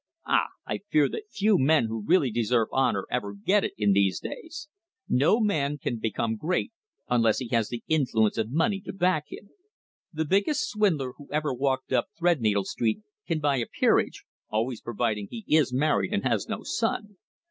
Ah! I fear that few men who really deserve honour ever get it in these days. No man can become great unless he has the influence of money to back him. The biggest swindler who ever walked up Threadneedle Street can buy a peerage, always providing he is married and has no son.